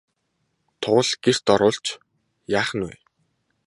Тугал гэрт оруулж яах нь вэ?